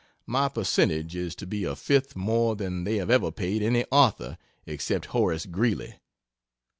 My percentage is to be a fifth more than they have ever paid any author, except Horace Greeley.